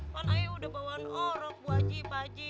kan ayo udah bawaan orang bu haji pak haji